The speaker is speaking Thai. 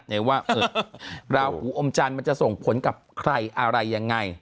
ว่าราหูอมจันทร์มันจะส่งผลกับใครอะไรยังไง